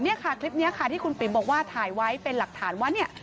นี่ค่ะคลิปนี้ค่ะที่คุณปิ๋มบอกว่าถ่ายไว้เป็นหลักฐานว่าเนี่ย